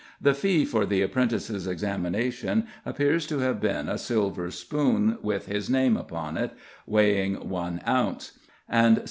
The fee for the apprentice's examination appears to have been a silver spoon, with his name upon it, weighing one ounce; and 7d.